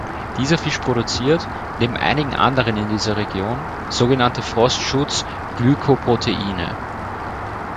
Dieser Fisch produziert, neben einigen anderen in dieser Region, sogenannte Frostschutz-Glycoproteine.